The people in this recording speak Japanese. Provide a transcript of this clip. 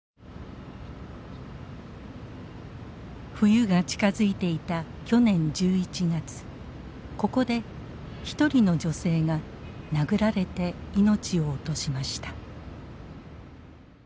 冬が近づいていた去年１１月ここで一人の女性が殴られて命を落としました。